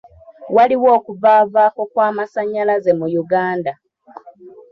Waliwo okuvavaako kw'amasannyalaze mu Uganda.